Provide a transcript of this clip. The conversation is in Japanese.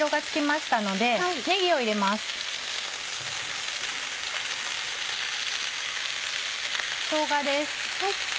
しょうがです。